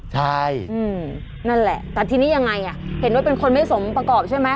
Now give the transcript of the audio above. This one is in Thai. ใช่นั่นแหละแต่ทีนี้ยังไงอ่ะเห็นว่าเป็นคนไม่สมประกอบใช่ไหม